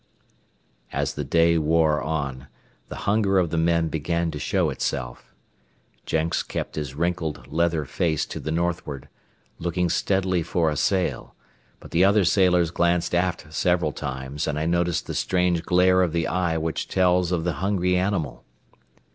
As the day wore on, the hunger of the men began to show itself. Jenks kept his wrinkled, leather face to the northward, looking steadily for a sail, but the other sailors glanced aft several times, and I noticed the strange glare of the eye which tells of the hungry animal.